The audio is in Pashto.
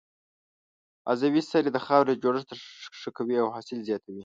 عضوي سرې د خاورې جوړښت ښه کوي او حاصل زیاتوي.